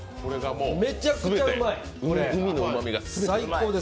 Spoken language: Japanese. めちゃくちゃうまい、最高です。